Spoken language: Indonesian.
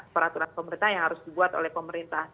peraturan pemerintah yang harus dibuat oleh pemerintah